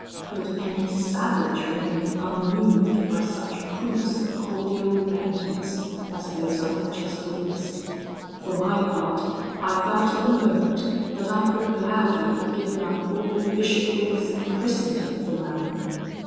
"Could any savage remain unmoved by such proofs of cordial repentance as those I had just witnessed? For my part, I felt at the moment that I could gladly have given up all the bishoprics in Christendom for Manon.